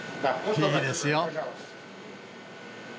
いいですよ。